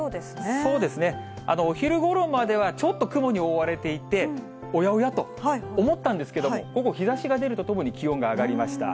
そうですね、お昼ごろまではちょっと雲に覆われていて、おやおやと思ったんですけども、午後、日ざしが出るとともに、気温が上がりました。